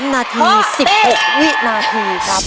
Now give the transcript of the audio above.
นาที๑๖วินาทีครับ